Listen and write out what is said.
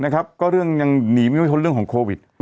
ก็เรื่องอย่างนิไม่เทิดเรื่องของโควิด